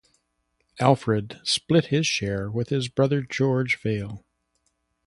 Alfred split his share with his brother George Vail.